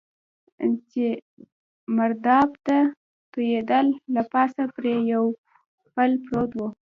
چې مرداب ته توېېدل، له پاسه پرې یو پل پروت و.